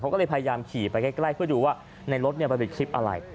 ก็เลยพยายามขี่ไปใกล้เพื่อดูว่าในรถมันเป็นคลิปอะไร